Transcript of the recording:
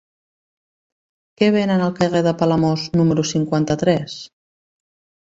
Què venen al carrer de Palamós número cinquanta-tres?